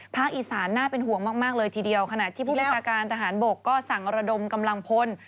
อีสานน่าเป็นห่วงมากเลยทีเดียวขณะที่ผู้บัญชาการทหารบกก็สั่งระดมกำลังพล